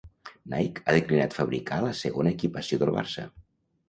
Nike ha declinat fabricar la segona equipació del Barça.